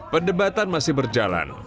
pendebatan masih berjalan